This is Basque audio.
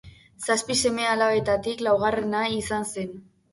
Zazpi seme-alabetatik laugarrena izan zen.